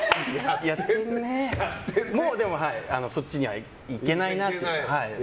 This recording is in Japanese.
もう、でもそっちには行けないなという。